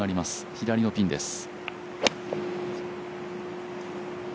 左のピンです。